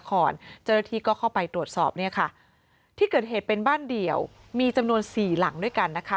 เจ้าหน้าที่ก็เข้าไปตรวจสอบเนี่ยค่ะที่เกิดเหตุเป็นบ้านเดี่ยวมีจำนวนสี่หลังด้วยกันนะคะ